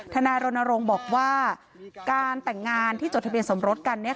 นายรณรงค์บอกว่าการแต่งงานที่จดทะเบียนสมรสกัน